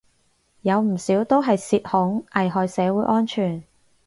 有唔少都係涉恐，危害社會安全